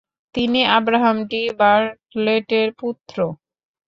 তিনি Abraham D বার্টলেটের পুত্র।